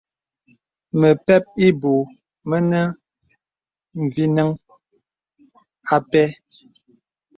Məpɛ̂p ìbūū mìnə̀ mvinəŋ ā pɛ̂.